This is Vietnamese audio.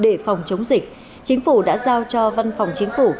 trong văn phòng chống dịch chính phủ đã giao cho văn phòng chính phủ